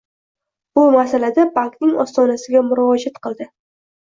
Bu masalada bankning ostonasiga murojaat qildi.